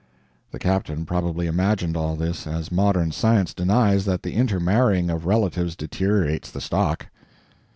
The captain probably imagined all this, as modern science denies that the intermarrying of relatives deteriorates the stock.